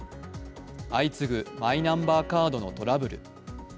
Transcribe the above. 相次ぐマイナンバーカードのトラブル。